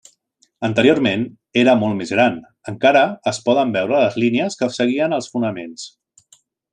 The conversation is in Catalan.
Anteriorment era molt més gran, encara es poden veure les línies que seguien els fonaments.